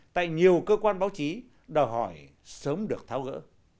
tại nhiều cơ quan báo chí đòi hỏi sớm được tháo gỡ